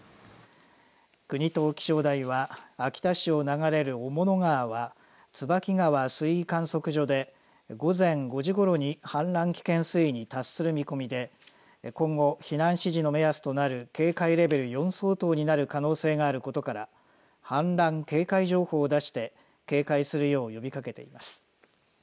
国と気象台は秋田市を流れる雄物川は椿川水位観測所で午前５時ごろに氾濫危険水位に達する見込みで今後避難指示の目安となる警戒レベル４相当になる可能性があることから氾濫警戒情報を出して警戒するよう呼びかけています。